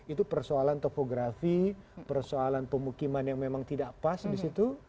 itu persoalan topografi persoalan pemukiman yang memang tidak pas di situ